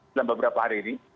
dalam beberapa hari ini